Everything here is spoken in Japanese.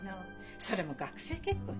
それも学生結婚よ。